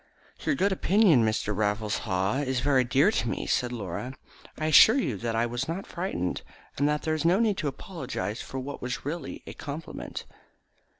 "Your good opinion, Mr. Raffles Haw, is very dear to me," said Laura. "I assure you that I was not frightened, and that there is no need to apologise for what was really a compliment."